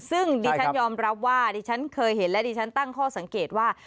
ซึ่งดิฉันยอมรับว่าดิฉันเคยเห็นและดิฉันตั้งข้อสังเกตว่า